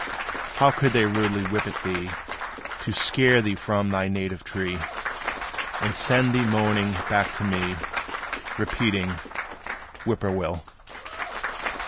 How could they rudely whip at thee, To scare thee from thy native tree, And send thee moaning back to me Repeating, "Whip poor will?"